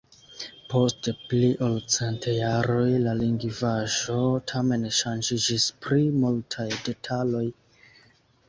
Post pli ol cent jaroj la lingvaĵo tamen ŝanĝiĝis pri multaj detaloj.